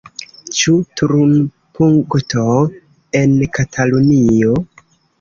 Ĉu turnpunkto en Katalunio?